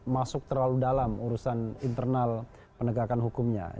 masuk terlalu dalam urusan internal penegakan hukumnya